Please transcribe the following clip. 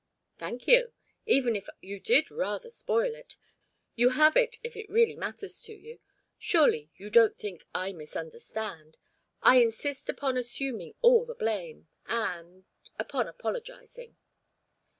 "Thank you even if you did rather spoil it. You have it, if it really matters to you. Surely, you don't think I misunderstand. I insist upon assuming all the blame and upon apologising."